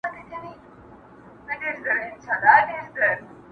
زاړه خلک موضوع بدله کوي تل،